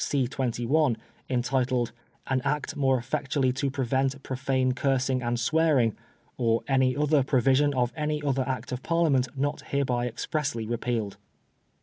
21, intituled * An Act more effectually to prevent profane cursing and swearing,' or any other provision of any other Act of Parliament not hereby expressly repealed."